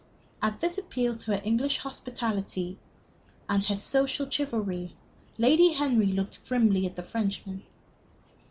At this appeal to her English hospitality and her social chivalry, Lady Henry looked grimly at the Frenchman.